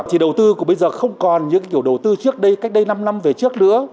thì đầu tư của bây giờ không còn những kiểu đầu tư trước đây cách đây năm năm về trước nữa